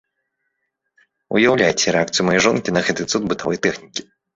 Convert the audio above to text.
Уяўляеце рэакцыю маёй жонкі на гэты цуд бытавой тэхнікі!